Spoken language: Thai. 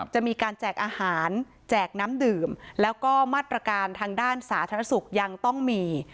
จะมีการแจกอาหารแจกน้ำดื่มแล้วก็มาตรการทางด้านสาธารณสุขยังต้องมี